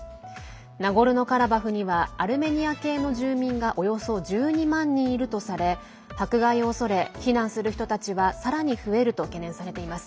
ナゴルノカラバフにはアルメニア系の住民がおよそ１２万人いるとされ迫害を恐れ、避難する人たちはさらに増えると懸念されています。